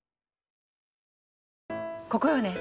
ここよね。